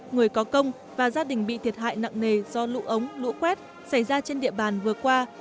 người có công và gia đình bị thiệt hại nặng nề do lũ ống lũ quét xảy ra trên địa bàn vừa qua